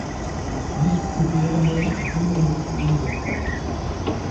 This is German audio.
Nichtcodierende Ribonukleinsäure